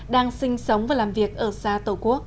đang sinh sống và làm việc ở xa tổ quốc